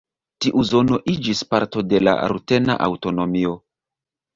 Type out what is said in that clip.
Tiu zono iĝis parto de la rutena aŭtonomio.